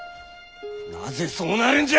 なぜそうなるんじゃ！